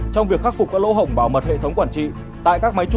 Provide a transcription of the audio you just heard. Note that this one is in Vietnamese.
trong việc khắc phục các lỗ hổng bảo mật hệ thống quản trị